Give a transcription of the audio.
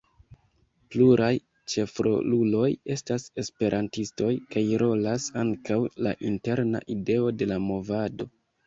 Pluraj ĉefroluloj estas esperantistoj, kaj rolas ankaŭ la interna ideo de la movado.